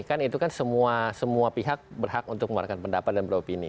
kan itu kan semua pihak berhak untuk mengeluarkan pendapat dan beropini